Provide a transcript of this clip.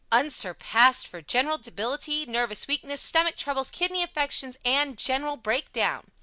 UNSURPASSED for General Debility, Nervous Weakness, Stomach troubles, Kidney affections and General Break Down.